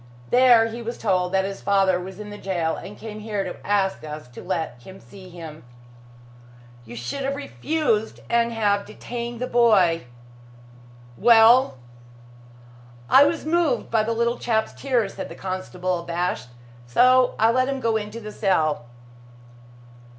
There, he was told that his father was in jail, and came here to ask us to let him see him." "You should have refused and have detained the boy. Well?" "I was moved by the little chap's tears," said the constable, abashed, "so I let him go into the cell."